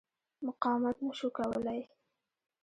مقاومت نه شو کولای.